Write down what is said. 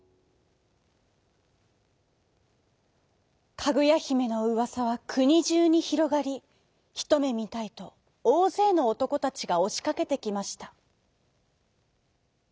かぐやひめのうわさはくにじゅうにひろがりひとめみたいとおおぜいのおとこたちがおしかけてきました。